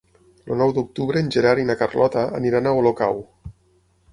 El nou d'octubre en Gerard i na Carlota aniran a Olocau.